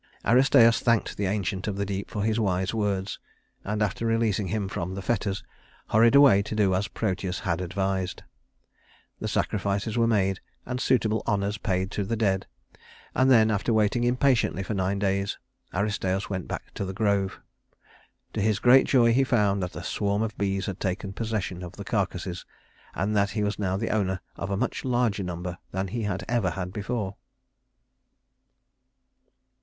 Aristæus thanked the Ancient of the Deep for his wise words, and after releasing him from the fetters, hurried away to do as Proteus had advised. The sacrifices were made, and suitable honors paid to the dead; and then, after waiting impatiently for nine days, Aristæus went back to the grove. To his great joy he found that a swarm of bees had taken possession of the carcasses, and that he was now the owner of a much larger number than he had ever had before.